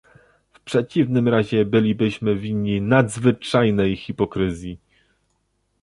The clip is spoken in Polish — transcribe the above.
W przeciwnym razie bylibyśmy winni nadzwyczajnej hipokryzji